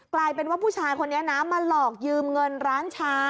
กลายเป็นว่าผู้ชายคนนี้นะมาหลอกยืมเงินร้านชา